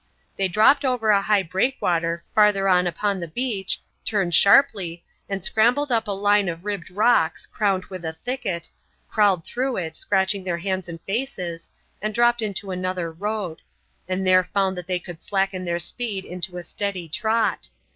They dropped over a high breakwater farther on upon the beach, turned sharply, and scrambled up a line of ribbed rocks, crowned with a thicket, crawled through it, scratching their hands and faces, and dropped into another road; and there found that they could slacken their speed into a steady trot.